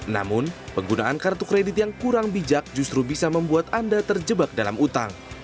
namun penggunaan kartu kredit yang kurang bijak justru bisa membuat anda terjebak dalam utang